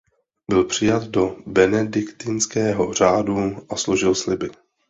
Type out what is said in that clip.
Byl přijat do benediktinského řádu a složil sliby.